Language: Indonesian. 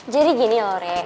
jadi gini loh re